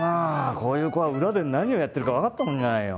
こういう子は裏で何をやってるかわかったもんじゃないよ。